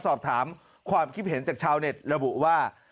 สอบถามความคิดเห็นจากชาวเน็ตระบุว่า